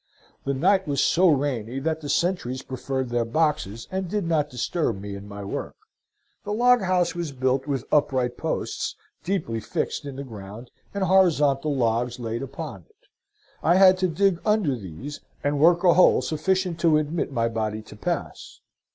"The night was so rainy that the sentries preferred their boxes, and did not disturb me in my work. The log house was built with upright posts, deeply fixed in the ground, and horizontal logs laid upon it. I had to dig under these, and work a hole sufficient to admit my body to pass.